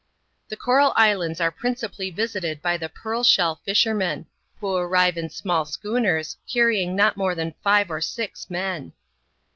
The Coral Islands are principally visited by the pearl shell fishermen, who arrive in small schooners, carrying not more than five or six men.